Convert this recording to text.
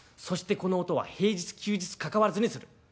そしてこの音は平日休日かかわらずにする。